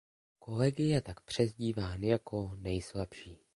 Kolegy je tak přezdíván jako „nejslabší“.